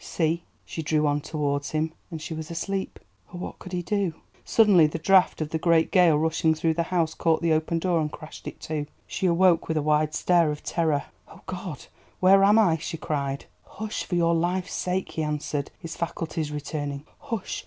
See! She drew on towards him, and she was asleep. Oh, what could he do? Suddenly the draught of the great gale rushing through the house caught the opened door and crashed it to. She awoke with a wild stare of terror. "Oh, God, where am I?" she cried. "Hush, for your life's sake!" he answered, his faculties returning. "Hush!